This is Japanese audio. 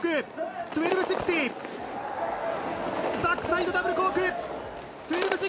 バックサイドダブルコーク１２６０。